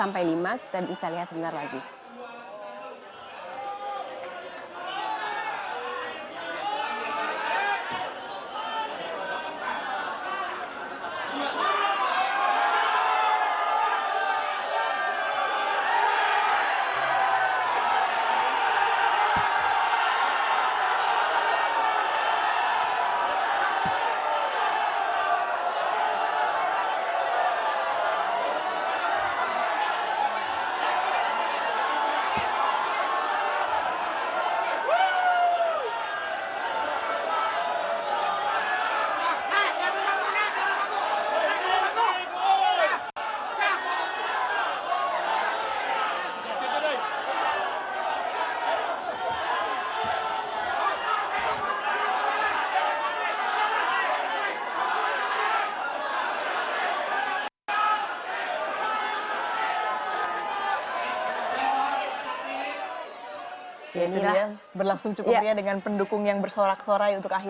pemilihan umum di kpud kabupaten bekasi